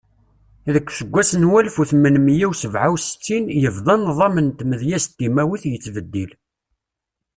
Deg useggas n walef u tmenmiya u sebɛa u settin, yebda nḍam n tmedyazt timawit yettbeddil.